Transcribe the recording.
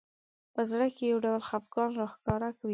په زړه کې یو ډول خفګان راښکاره وي